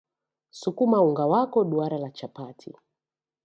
sukuma unga wako duara la chapati